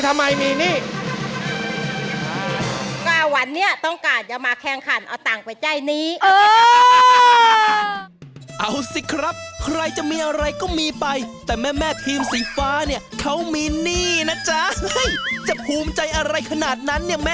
ก้าวันนี้ต้องการจะมาแข่งขันเอาทั้งใจนี้